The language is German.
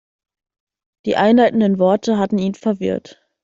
Die einleitenden Worte hatten ihn verwirrt.